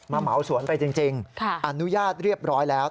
เหมาสวนไปจริงอนุญาตเรียบร้อยแล้ว